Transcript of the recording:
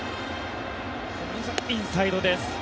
インサイドです。